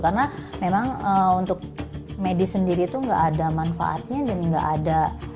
karena memang untuk medis sendiri itu gak ada manfaatnya dan gak ada